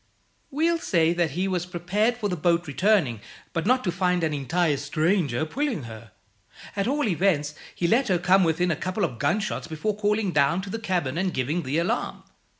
We'll say that he was prepared for the boat returning, but not to find an entire stranger pulling her. At all events, he let her come within a couple of gunshots before calling down to the cabin and giving the alarm.